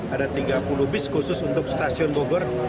ada tiga puluh bis khusus untuk stasiun bogor